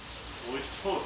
おいしそう。